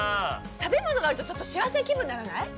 食べ物があると幸せな気分にならない？